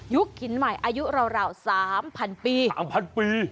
ยุคหินใหม่อายุราว๓๐๐๐ปี๓๐๐๐ปี